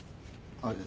はい。